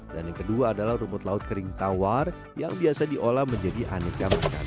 dan yang kedua adalah rumput laut kering tawar yang biasa diolah menjadi aneg anegan